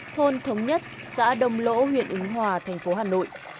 thôn thống nhất xã đồng lỗ huyện ứng hòa thành phố hà nội